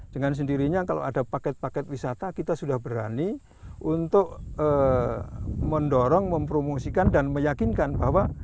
dengan sendirinya kalau ada paket paket wisata kita sudah berani untuk mendorong mempromosikan dan meyakinkan bahwa